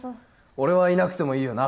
俺はいなくてもいいよな？